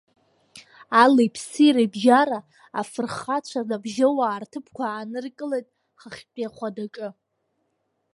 Алиԥси рыбжьара афырхацәа набжьоуаа рҭыԥқәа ааныркылеит хыхьтәи ахәадаҿы.